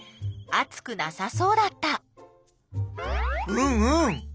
うんうん！